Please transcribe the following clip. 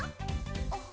あっ。